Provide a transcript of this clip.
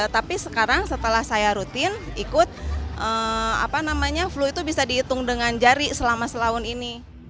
tapi sekarang setelah saya rutin ikut flu itu bisa dihitung dengan jari selama selaun ini